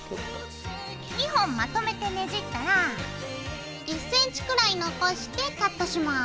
２本まとめてねじったら１ｃｍくらい残してカットします。